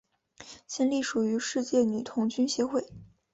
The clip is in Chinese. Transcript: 现隶属于世界女童军协会。